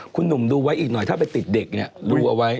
คุณหนุ่มดูไว้อีกหน่อยถ้าไปติดเด็กเนี่ยดูเอาไว้